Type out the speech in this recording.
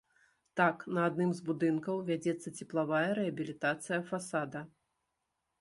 Так, на адным з будынкаў вядзецца цеплавая рэабілітацыя фасада.